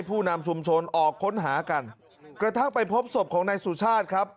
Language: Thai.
ผู้นำชุมชนออกค้นหากันกระทั่งไปพบศพของนายสุชาติครับ